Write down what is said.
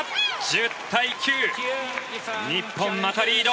１０対９日本、またリード。